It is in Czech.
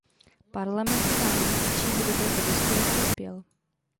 Parlament nemá nic, čím by do této diskuse přispěl.